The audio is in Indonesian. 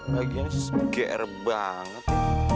bagiannya seger banget